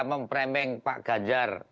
memframing pak ganjar